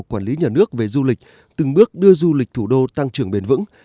quản lý nhà nước về du lịch từng bước đưa du lịch thủ đô tăng trưởng bền vững